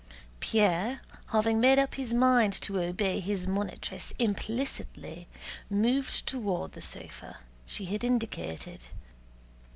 Pierre, having made up his mind to obey his monitress implicitly, moved toward the sofa she had indicated.